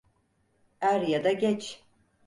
Er ya da geç.